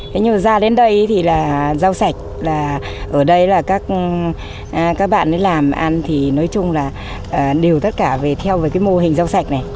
thế nhưng mà ra đến đây thì là rau sạch ở đây là các bạn làm ăn thì nói chung là đều tất cả theo mô hình rau sạch này